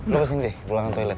lo kesini deh pulangan toilet